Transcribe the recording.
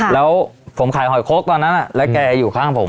แล้วผมขายหอยคกตอนนั้นแล้วแกอยู่ข้างผม